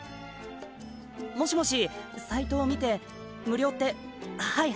もしもしっサイトを見て無料ってはいっはい！